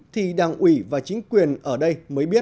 thì đảng ủy và chính quyền ở đây